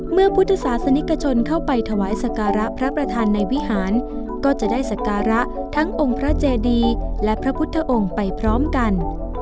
เมื่อพุทธศาสนิกชนเข้าไปถวายสการะพระประธานในวิหารก็จะได้สการะทั้งองค์พระเจดีและพระพุทธองค์ไปพร้อมกัน